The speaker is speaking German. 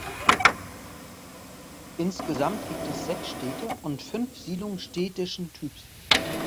Insgesamt gibt es sechs Städte und fünf Siedlungen städtischen Typs.